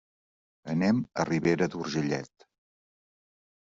Anem a Ribera d'Urgellet.